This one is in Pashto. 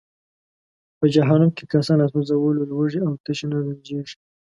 په جهنم کې کسان له سوځولو، لوږې او تشې نه رنجیږي.